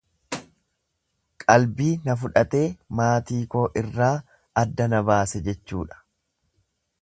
Qalbii na fudhatee maatii koo irraa adda na baase jechuudha.